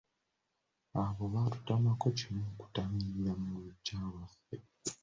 Abo baatutamako kimu kutamiirira mu luggya lwaffe.